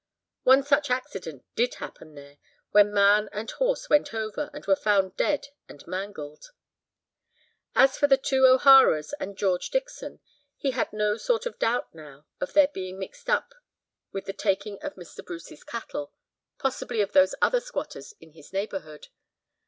One such accident did happen there, when man and horse went over, and were found dead and mangled. As for the two O'Haras and George Dixon, he had no sort of doubt now of their being mixed up with the taking of Mr. Bruce's cattle—possibly of those of other squatters in his neighbourhood.